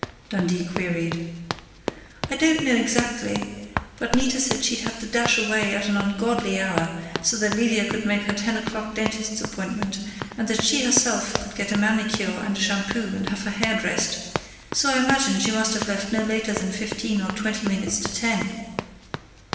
Dundee queried. "I don't know exactly, but Nita said she'd had to dash away at an ungodly hour, so that Lydia could make her ten o'clock dentist's appointment, and so that she herself could get a manicure and a shampoo and have her hair dressed, so I imagine she must have left not later than fifteen or twenty minutes to ten."